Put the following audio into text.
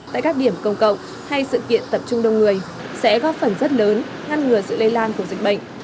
tại các điểm công cộng hay sự kiện tập trung đông người sẽ góp phần rất lớn ngăn ngừa sự lây lan của dịch bệnh